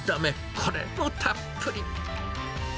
これもたっぷり。